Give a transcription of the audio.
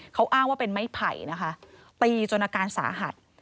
เขาอ้างว่าเป็นไม้ไผ่นะคะตีจนอาการสาหัส